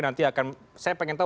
nanti akan saya pengen tahu